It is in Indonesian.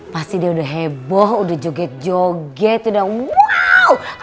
pasti dia udah heboh udah joget joget udah wow